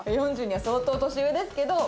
４２は相当年上ですけど。